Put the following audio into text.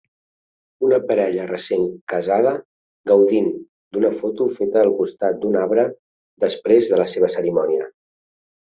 una parella recent casada gaudint d'una foto feta al costat d'un arbre després de la seva cerimònia.